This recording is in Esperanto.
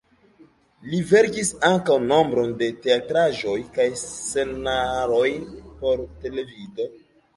Li verkis ankaŭ nombron de teatraĵoj kaj scenaroj por televido.